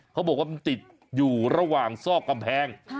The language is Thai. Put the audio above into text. เขาบอกว่ามันติดอยู่ระหว่างซอกกำแพง